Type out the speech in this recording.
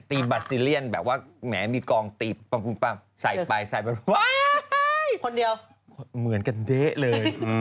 บัตซีเลียนแบบว่าแหมมีกองตีใส่ไปใส่ไปว้ายคนเดียวเหมือนกันเด๊ะเลย